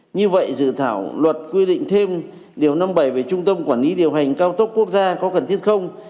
như vậy dự thảo luật quy định thêm điều năm mươi bảy về trung tâm quản lý điều hành cao tốc quốc gia có cần thiết không